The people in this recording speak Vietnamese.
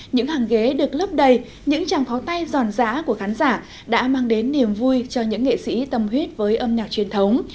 những hàng ghế được lấp đầy những tràng pháo tay giòn rã của khán giả đã mang đến niềm vui cho những nghệ sĩ tâm huyết với âm nhạc truyền thống